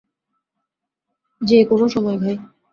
যে কোন সময়, ভাই।